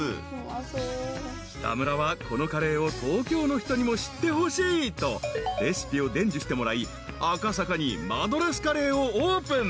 ［北村はこのカレーを東京の人にも知ってほしいとレシピを伝授してもらい赤坂にマドラスカレーをオープン］